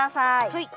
はい。